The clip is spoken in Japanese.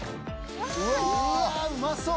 うわあ、うまそう！